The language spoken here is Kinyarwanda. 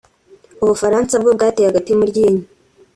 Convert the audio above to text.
u Bufaransa bwo bwatereye agati mu ryinyo